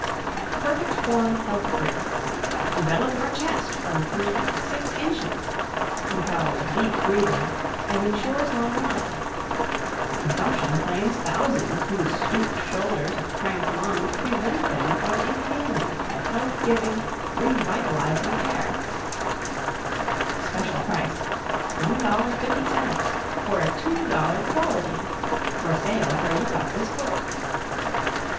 ] Perfect Form Health Brace Develop your chest from 3 to 6 inches. Compels Deep Breathing and insures long life Consumption claims thousands whose stooped shoulders and cramped lungs prevent them from inhaling the health giving, revitalizing air SPECIAL PRICE, $1.50 for a $2.00 QUALITY FOR SALE WHERE YOU GOT THIS BOOK.